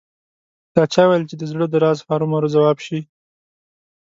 دا چا ویل چې د زړه د راز هرو مرو ځواب شي